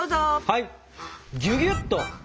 はい！